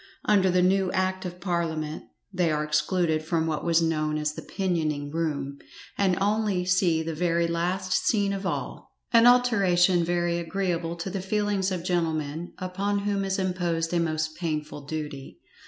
Under the new Act of Parliament they are excluded from what was known as the pinioning room, and only see the very last scene of all, an alteration very agreeable to the feelings of gentlemen upon whom is imposed a most painful duty.